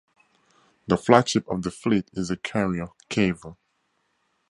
The flagship of the fleet is the carrier "Cavour".